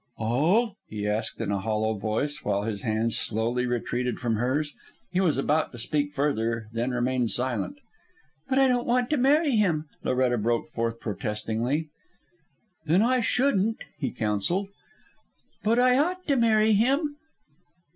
"All?" he asked in a hollow voice, while his hands slowly retreated from hers. He was about to speak further, then remained silent. "But I don't want to marry him," Loretta broke forth protestingly. "Then I shouldn't," he counselled. "But I ought to marry him."